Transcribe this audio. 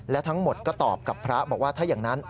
และทั้งหมดก็ตอบกับพระบอกว่าถ้าอย่างนั้น